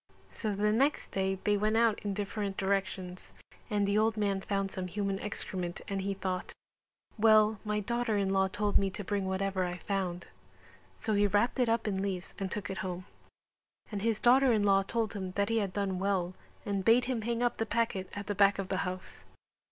So the next day they went out in different directions and the old man found some human excrement and he thought "Well, my daughter in law told me to bring whatever I found" so he wrapped it up in leaves and took it home; and his daughter in law told him that he had done well and bade him hang up the packet at the back of the house.